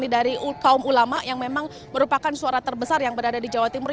dari kaum ulama yang memang merupakan suara terbesar yang berada di jawa timur